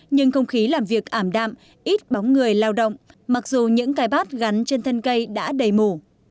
nhưng không khí làm việc ảm đạm ít bóng người lao động mặc dù những cái bát gắn trên thân cây đã đầy mù